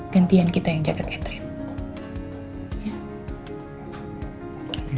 gantian kita yang jaga catherine